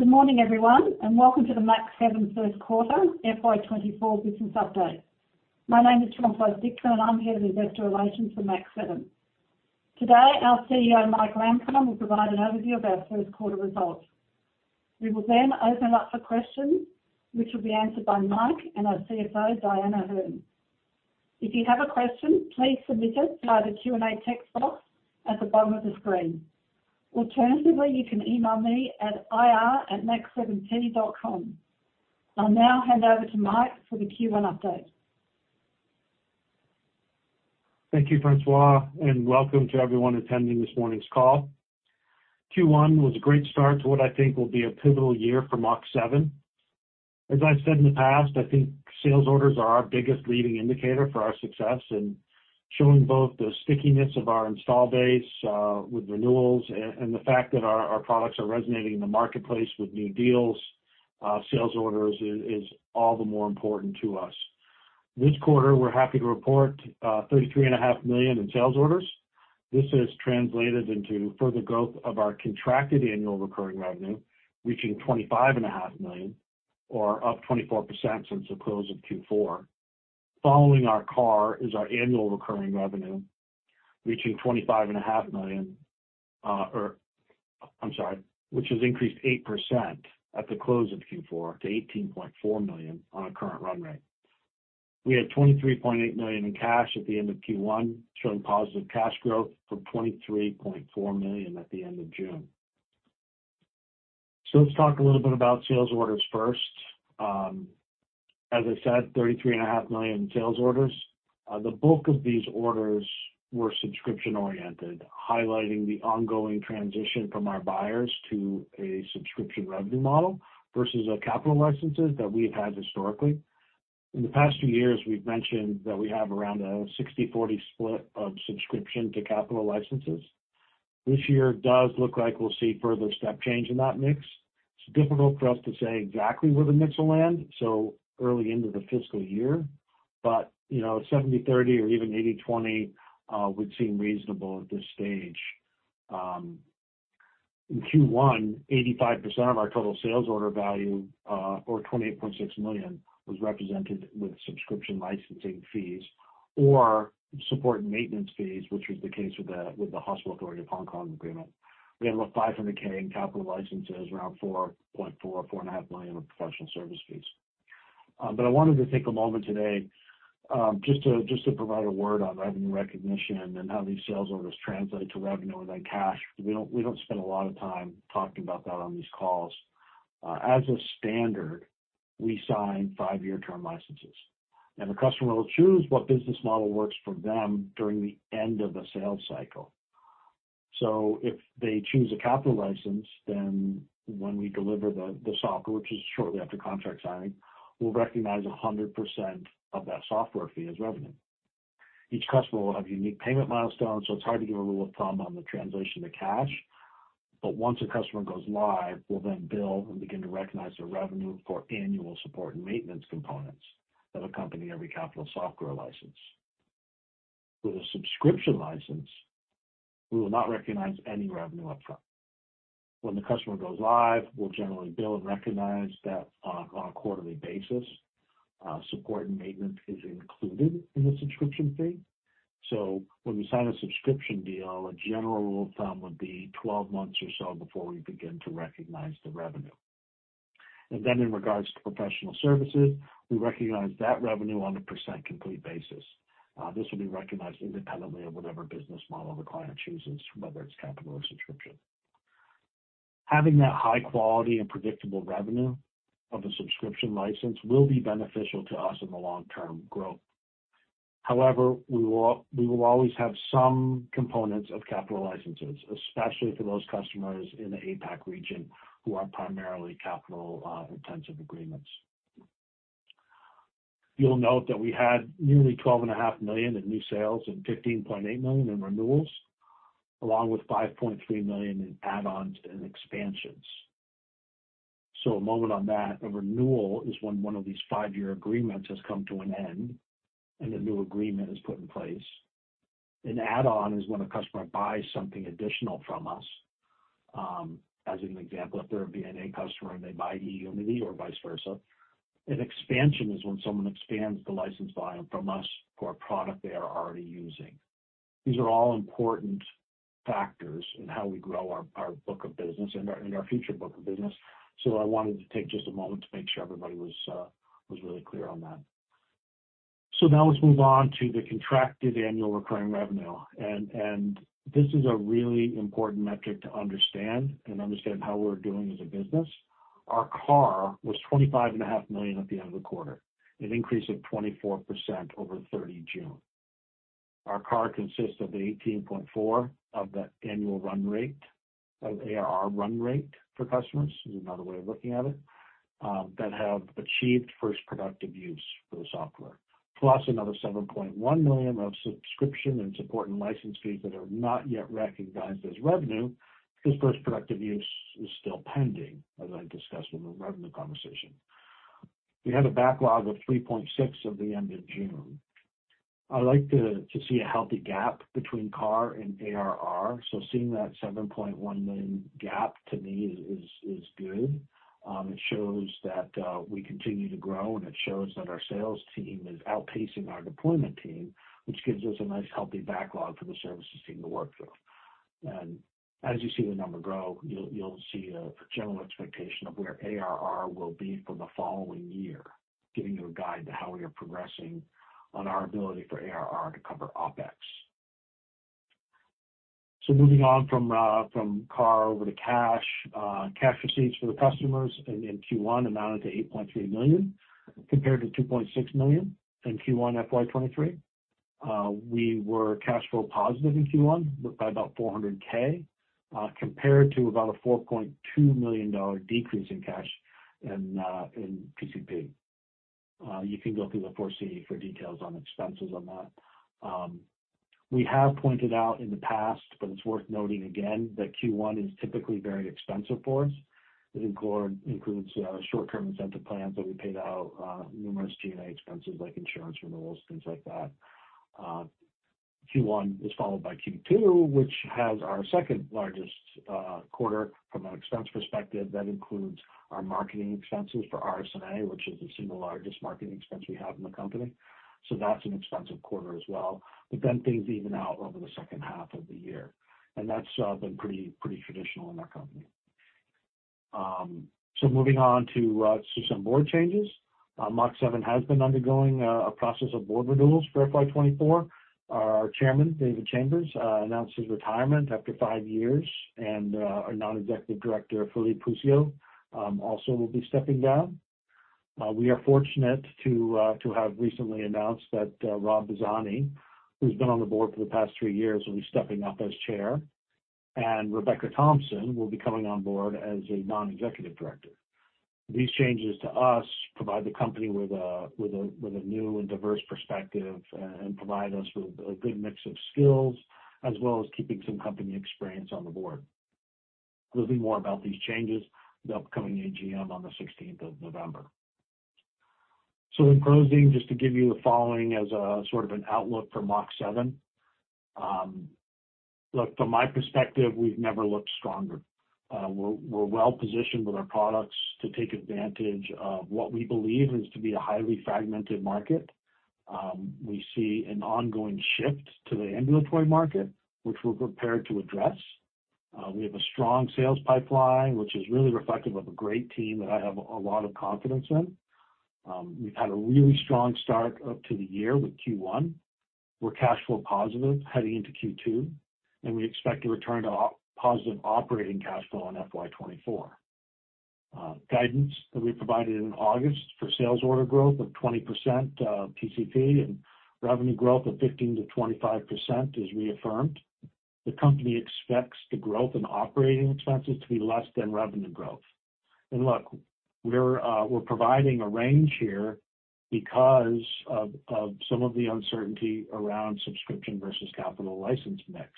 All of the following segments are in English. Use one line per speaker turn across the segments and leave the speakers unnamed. Good morning, everyone, and welcome to the Mach7 Q1 FY 2024 business update. My name is Françoise Dixon, and I'm the Head of Investor Relations for Mach7. Today, our Chief Executive Officer, Mike Lampron, will provide an overview of our Q1 results. We will then open up for questions, which will be answered by Mike and our Chief Financial Officer, Dyan O'Herne. If you have a question, please submit it via the Q&A text box at the bottom of the screen. Alternatively, you can email me at ir@mach7t.com. I'll now hand over to Mike for the Q1 update.
Thank you, Françoise, and welcome to everyone attending this morning's call. Q1 was a great start to what I think will be a pivotal year for Mach7. As I've said in the past, I think sales orders are our biggest leading indicator for our success in showing both the stickiness of our install base with renewals and the fact that our products are resonating in the marketplace with new deals. Sales orders is all the more important to us. This quarter, we're happy to report 33.5 million in sales orders. This has translated into further growth of our contracted annual recurring revenue, reaching 25.5 million, or up 24% since the close of Q4. Following our CARR is our annual recurring revenue, reaching 25.5 million, or I'm sorry, which has increased 8% at the close of Q4 to 18.4 million on a current run rate. We had 23.8 million in cash at the end of Q1, showing positive cash growth from 23.4 million at the end of June. So let's talk a little bit about sales orders first. As I said, 33.5 million in sales orders. The bulk of these orders were subscription-oriented, highlighting the ongoing transition from our buyers to a subscription revenue model versus a capital licenses that we've had historically. In the past few years, we've mentioned that we have around a 60/40 split of subscription to capital licenses. This year does look like we'll see further step change in that mix. It's difficult for us to say exactly where the mix will land so early into the fiscal year, but, you know, 70/30 or even 80/20 would seem reasonable at this stage. In Q1, 85% of our total sales order value, or 28.6 million, was represented with subscription licensing fees or support and maintenance fees, which was the case with the Hospital Authority of Hong Kong agreement. We had about 500,000 in capital licenses, around 4.4 million-4.5 million in professional service fees. But I wanted to take a moment today, just to provide a word on revenue recognition and how these sales orders translate to revenue and then cash. We don't spend a lot of time talking about that on these calls. As a standard, we sign five-year term licenses, and the customer will choose what business model works for them during the end of the sales cycle. So if they choose a capital license, then when we deliver the software, which is shortly after contract signing, we'll recognize 100% of that software fee as revenue. Each customer will have unique payment milestones, so it's hard to give a rule of thumb on the translation to cash. But once a customer goes live, we'll then bill and begin to recognize the revenue for annual support and maintenance components that accompany every capital software license. With a subscription license, we will not recognize any revenue upfront. When the customer goes live, we'll generally bill and recognize that on a quarterly basis. Support and maintenance is included in the subscription fee. So when we sign a subscription deal, a general rule of thumb would be 12 months or so before we begin to recognize the revenue. And then in regards to professional services, we recognize that revenue on a percent complete basis. This will be recognized independently of whatever business model the client chooses, whether it's capital or subscription. Having that high quality and predictable revenue of a subscription license will be beneficial to us in the long-term growth. However, we will always have some components of capital licenses, especially for those customers in the APAC region, who are primarily capital intensive agreements. You'll note that we had nearly 12.5 million in new sales and 15.8 million in renewals, along with 5.3 million in add-ons and expansions. So a moment on that. A renewal is when one of these five-year agreements has come to an end, and a new agreement is put in place. An add-on is when a customer buys something additional from us. As an example, if they're a VNA customer and they buy eUnity or vice versa. An expansion is when someone expands the license volume from us for a product they are already using. These are all important factors in how we grow our book of business and our, and our future book of business. So I wanted to take just a moment to make sure everybody was really clear on that. So now let's move on to the contracted annual recurring revenue. And this is a really important metric to understand and understand how we're doing as a business. Our CAR was 25.5 million at the end of the quarter, an increase of 24% over June 30. Our CARR consists of the 18.4 of that annual run rate, of ARR run rate for customers, is another way of looking at it, that have achieved first productive use for the software. Plus, another 7.1 million of subscription and support and license fees that are not yet recognized as revenue, because first productive use is still pending, as I discussed in the revenue conversation. We had a backlog of 43.6 at the end of June. I like to see a healthy gap between CARR and ARR, so seeing that 7.1 million gap to me is good. It shows that we continue to grow, and it shows that our sales team is outpacing our deployment team, which gives us a nice, healthy backlog for the services team to work with. As you see the number grow, you'll see a general expectation of where ARR will be for the following year, giving you a guide to how we are progressing on our ability for ARR to cover OpEx. So moving on from CAR over to cash. Cash receipts for the customers in Q1 amounted to 8.3 million, compared to 2.6 million in Q1 FY 2023. We were cash flow positive in Q1 by about 400,000, compared to about a 4.2 million dollar decrease in cash in PCP. You can go through the 4C for details on expenses on that. We have pointed out in the past, but it's worth noting again, that Q1 is typically very expensive for us. It includes short-term incentive plans that we paid out, numerous G&A expenses like insurance renewals, things like that. Q1 is followed by Q2, which has our second-largest quarter from an expense perspective. That includes our marketing expenses for RSNA, which is the single largest marketing expense we have in the company. So that's an expensive quarter as well. But then things even out over the second half of the year, and that's been pretty traditional in our company. So moving on to some board changes. Mach7 has been undergoing a process of board renewals for FY 2024. Our chairman, David Chambers, announced his retirement after five years, and our Non-Executive Director, Philippe Houssiau, also will be stepping down. We are fortunate to have recently announced that Rob Bazzani, who's been on the board for the past three years, will be stepping up as Chair, and Rebecca Thompson will be coming on board as a Non-Executive Director. These changes to us provide the company with a new and diverse perspective, and provide us with a good mix of skills, as well as keeping some company experience on the board. There'll be more about these changes in the upcoming AGM on the November 16th. So in closing, just to give you the following as a sort of an outlook for Mach7. Look, from my perspective, we've never looked stronger. We're well positioned with our products to take advantage of what we believe is to be a highly fragmented market. We see an ongoing shift to the ambulatory market, which we're prepared to address. We have a strong sales pipeline, which is really reflective of a great team that I have a lot of confidence in. We've had a really strong start up to the year with Q1. We're cash flow positive heading into Q2, and we expect to return to OpEx-positive operating cash flow in FY 2024. Guidance that we provided in August for sales order growth of 20%, PCP and revenue growth of 15%-25% is reaffirmed. The company expects the growth in operating expenses to be less than revenue growth. And look, we're providing a range here because of some of the uncertainty around subscription versus capital license mix.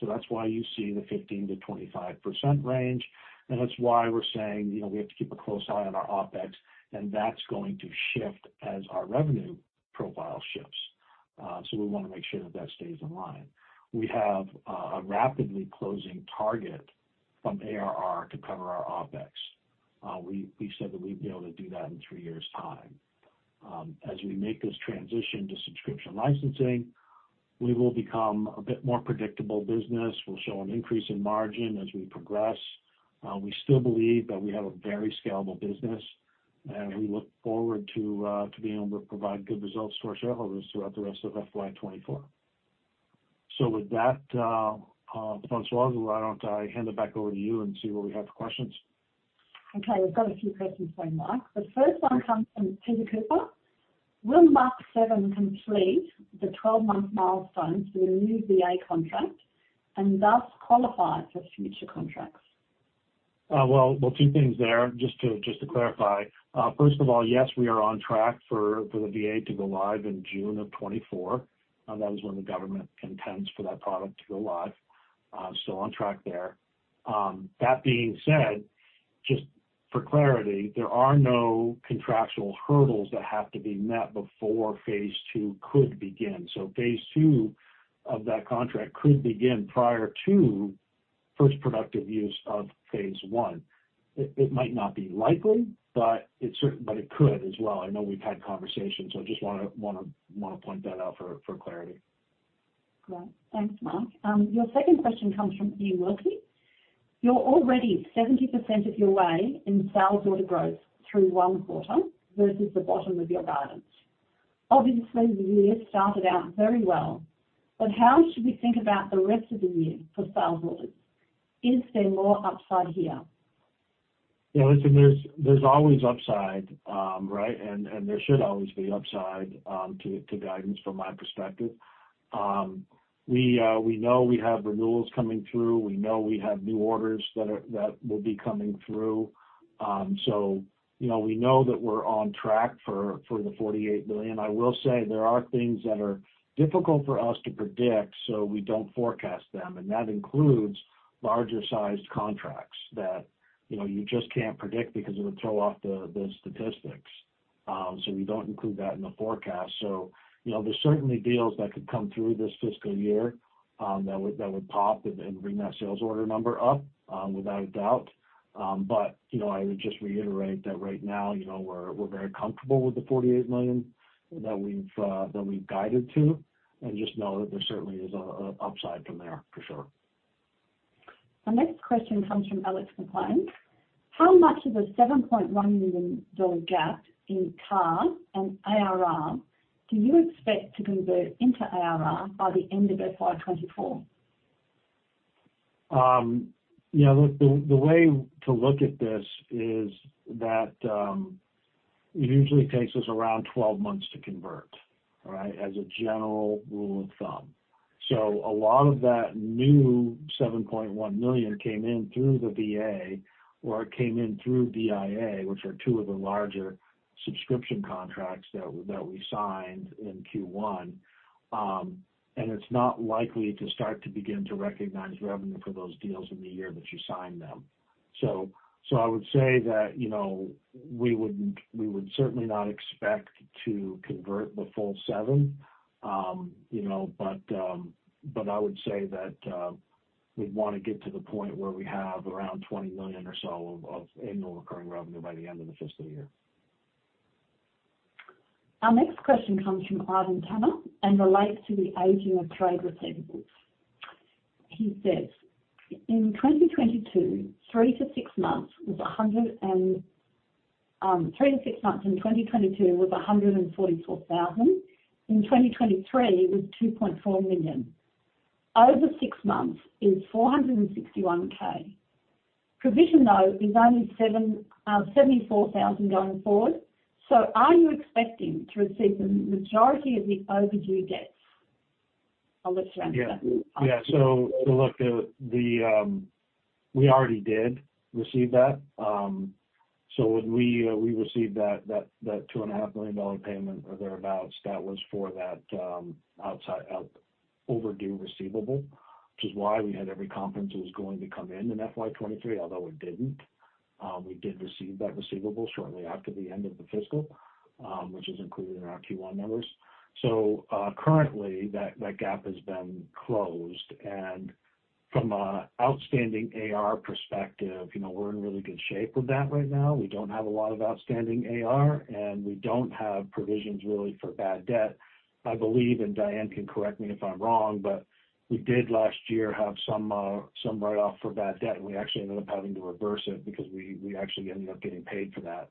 So that's why you see the 15%-25% range, and that's why we're saying, you know, we have to keep a close eye on our OpEx, and that's going to shift as our revenue profile shifts. So we want to make sure that that stays in line. We have a rapidly closing target from ARR to cover our OpEx. We said that we'd be able to do that in three years' time. As we make this transition to subscription licensing, we will become a bit more predictable business. We'll show an increase in margin as we progress. We still believe that we have a very scalable business, and we look forward to being able to provide good results to our shareholders throughout the rest of FY 2024. So with that, Françoise, why don't I hand it back over to you and see what we have for questions?
Okay, we've got a few questions for you, Mike. The first one comes from Peter Cooper: Will Mach7 complete the 12-month milestone for the new VA contract and thus qualify for future contracts?
Well, two things there, just to clarify. First of all, yes, we are on track for the VA to go live in June of 2024. That is when the government contends for that product to go live. Still on track there. That being said, just for clarity, there are no contractual hurdles that have to be met before phase II could begin. So phase II of that contract could begin prior to first productive use of phase I. It might not be likely, but it could as well. I know we've had conversations, so I just want to point that out for clarity.
Great. Thanks, Mike. Your second question comes from Iain Wilkie. You're already 70% of your way in sales order growth through one quarter versus the bottom of your guidance. Obviously, the year started out very well, but how should we think about the rest of the year for sales orders? Is there more upside here?
Yeah, listen, there's always upside, right? And there should always be upside to guidance from my perspective. We know we have renewals coming through. We know we have new orders that will be coming through. So, you know, we know that we're on track for the 48 million. I will say there are things that are difficult for us to predict, so we don't forecast them, and that includes larger-sized contracts that, you know, you just can't predict because it would throw off the statistics. So we don't include that in the forecast. So, you know, there's certainly deals that could come through this fiscal year, that would pop and bring that sales order number up, without a doubt. But, you know, I would just reiterate that right now, you know, we're very comfortable with the 48 million that we've guided to, and just know that there certainly is an upside from there, for sure.
Our next question comes from Alex McLean. How much of the 7.1 million dollar gap in CARR and ARR do you expect to convert into ARR by the end of FY 2024?
Yeah, look, the way to look at this is that, it usually takes us around 12 months to convert, all right, as a general rule of thumb. So a lot of that new 7.1 million came in through the VA, or it came in through VIA, which are two of the larger subscription contracts that we signed in Q1. And it's not likely to start to recognize revenue for those deals in the year that you sign them. So I would say that, you know, we would certainly not expect to convert the full seven. You know, I would say that, we'd want to get to the point where we have around 20 million or so of annual recurring revenue by the end of the fiscal year.
Our next question comes from Arvin Tanner and relates to the aging of trade receivables. He says, "In 2022, three-six months was 144 thousand. In 2023, it was 2.4 million. Over six months is 461 thousand. Provision, though, is only 74,000 going forward. So are you expecting to receive the majority of the overdue debts?" I'll let you answer that one.
Yeah, so look, the, we already did receive that. So when we, we received that, that 2.5 million dollar payment or thereabouts, that was for that, overdue receivable, which is why we had every confidence it was going to come in in FY 2023, although it didn't. We did receive that receivable shortly after the end of the fiscal, which is included in our Q1 numbers. So, currently, that, that gap has been closed, and from an outstanding AR perspective, you know, we're in really good shape with that right now. We don't have a lot of outstanding AR, and we don't have provisions really for bad debt. I believe, and Dyan can correct me if I'm wrong, but we did last year have some write-off for bad debt, and we actually ended up having to reverse it because we actually ended up getting paid for that.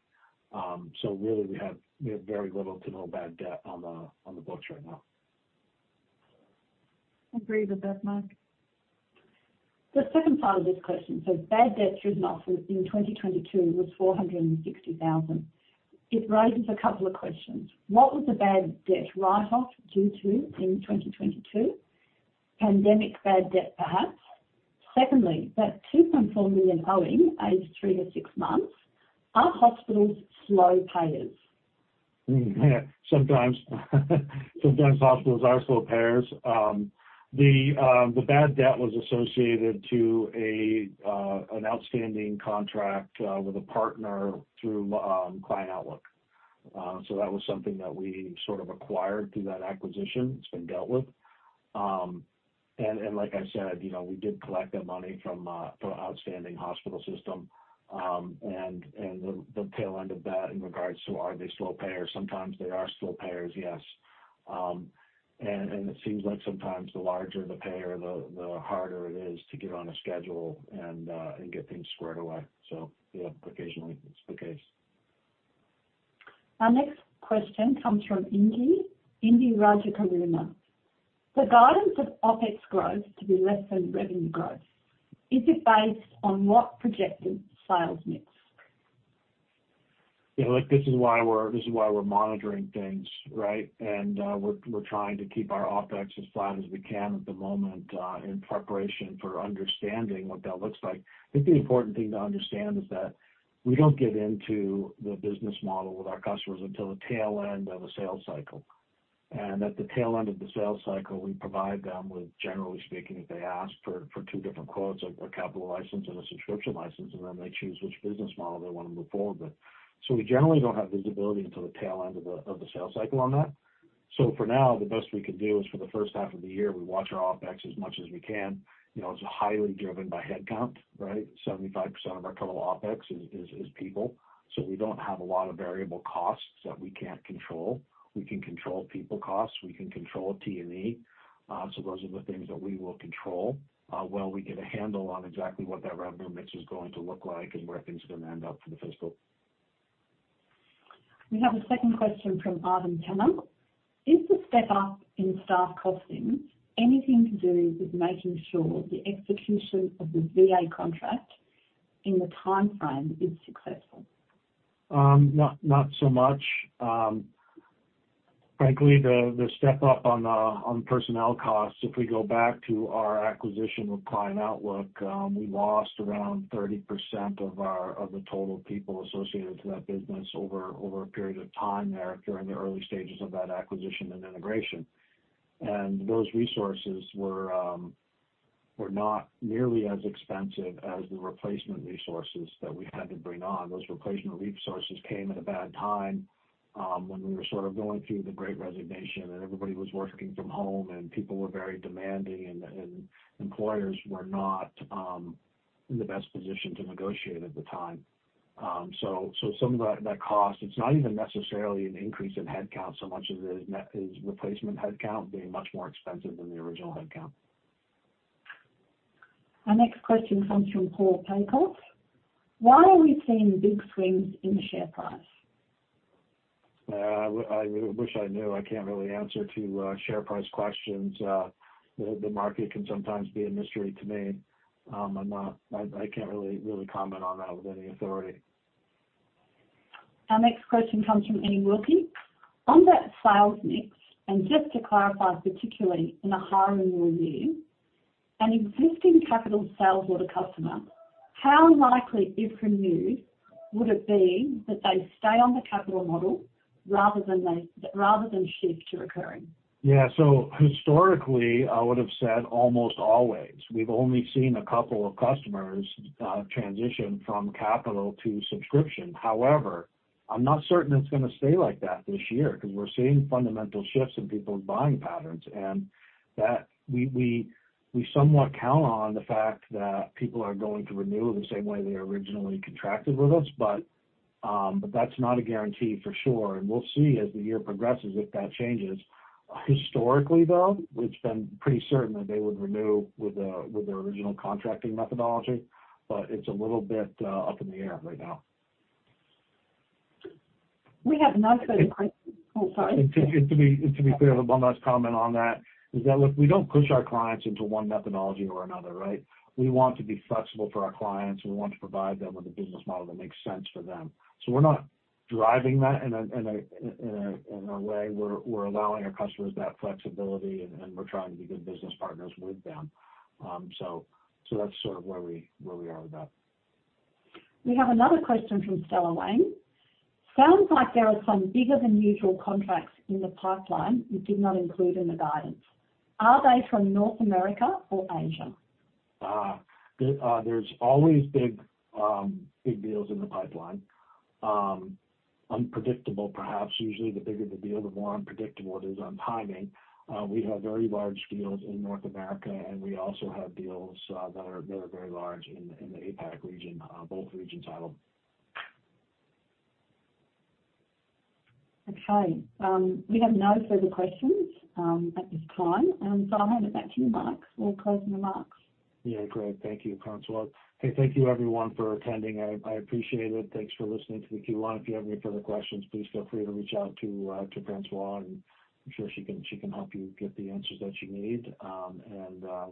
So really, we have very little to no bad debt on the books right now.
Agree with that, Mike. The second part of this question, so bad debt written off in 2022 was 460,000. It raises a couple of questions. What was the bad debt write-off due to in 2022? Pandemic bad debt, perhaps. Secondly, that 2.4 million owing, aged 3-6 months, are hospitals slow payers?
Yeah, sometimes. Sometimes hospitals are slow payers. The bad debt was associated to a an outstanding contract with a partner through Client Outlook. So that was something that we sort of acquired through that acquisition. It's been dealt with. And like I said, you know, we did collect that money from an outstanding hospital system. And the tail end of that in regards to, are they slow payers? Sometimes they are slow payers, yes. And it seems like sometimes the larger the payer, the harder it is to get on a schedule and get things squared away. So, yeah, occasionally it's the case.
Our next question comes from Indy, Indi Rajakaruna. The guidance of OpEx growth to be less than revenue growth, is it based on what projected sales mix?
Yeah, look, this is why we're monitoring things, right? And we're trying to keep our OpEx as flat as we can at the moment in preparation for understanding what that looks like. I think the important thing to understand is that we don't get into the business model with our customers until the tail end of a sales cycle. And at the tail end of the sales cycle, we provide them with, generally speaking, if they ask for two different quotes, a capital license and a subscription license, and then they choose which business model they want to move forward with. So we generally don't have visibility until the tail end of the sales cycle on that. So for now, the best we can do is for the first half of the year, we watch our OpEx as much as we can. You know, it's highly driven by headcount, right? 75% of our total OpEx is people. So we don't have a lot of variable costs that we can't control. We can control people costs, we can control T&E. So those are the things that we will control while we get a handle on exactly what that revenue mix is going to look like and where things are going to end up for the fiscal.
We have a second question from Arvin Tanner. Is the step up in staff costing anything to do with making sure the execution of the VA contract in the timeframe is successful?
Not so much, frankly, the step up on the personnel costs, if we go back to our acquisition with Client Outlook, we lost around 30% of the total people associated to that business over a period of time there during the early stages of that acquisition and integration. Those resources were not nearly as expensive as the replacement resources that we had to bring on. Those replacement resources came at a bad time, when we were sort of going through the great resignation, and everybody was working from home, and people were very demanding, and employers were not in the best position to negotiate at the time. So some of that cost, it's not even necessarily an increase in headcount so much as it is replacement headcount being much more expensive than the original headcount.
Our next question comes from Paul Paycoff. Why are we seeing big swings in the share price?
I wish I knew. I can't really answer to share price questions. The market can sometimes be a mystery to me. I can't really comment on that with any authority.
Our next question comes from Annie Wilkie. On that sales mix, and just to clarify, particularly in the hiring review, an existing capital sales order customer, how likely, if renewed, would it be that they stay on the capital model rather than they, rather than shift to recurring?
Yeah. So historically, I would've said almost always. We've only seen a couple of customers transition from capital to subscription. However, I'm not certain it's gonna stay like that this year because we're seeing fundamental shifts in people's buying patterns, and that we somewhat count on the fact that people are going to renew the same way they originally contracted with us, but that's not a guarantee for sure, and we'll see as the year progresses if that changes. Historically, though, we've been pretty certain that they would renew with their original contracting methodology, but it's a little bit up in the air right now.
Oh, sorry.
To be clear, one last comment on that is, look, we don't push our clients into one methodology or another, right? We want to be flexible for our clients. We want to provide them with a business model that makes sense for them. So we're not driving that in a way. We're allowing our customers that flexibility, and we're trying to be good business partners with them. So that's sort of where we are with that.
We have another question from Stella Wang. Sounds like there are some bigger than usual contracts in the pipeline you did not include in the guidance. Are they from North America or Asia?
There's always big deals in the pipeline. Unpredictable perhaps. Usually, the bigger the deal, the more unpredictable it is on timing. We have very large deals in North America, and we also have deals that are very large in the APAC region, both regions titled.
Okay. We have no further questions, at this time, so I'll hand it back to you, Mike. We'll closing remarks.
Yeah, great. Thank you, Françoise. Hey, thank you, everyone, for attending. I appreciate it. Thanks for listening to the Q1. If you have any further questions, please feel free to reach out to Françoise, and I'm sure she can help you get the answers that you need. I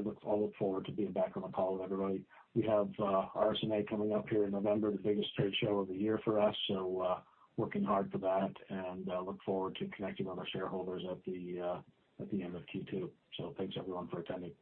look forward to being back on the call with everybody. We have RSNA coming up here in November, the biggest trade show of the year for us, so working hard for that, and look forward to connecting with our shareholders at the end of Q2. So thanks, everyone, for attending.